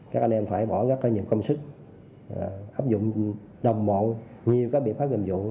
các anh em phải bỏ gắt có nhiều công sức áp dụng đồng bộ nhiều các biện pháp hợp dụng